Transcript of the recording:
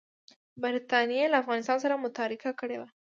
برټانیې له افغانستان سره متارکه کړې وه.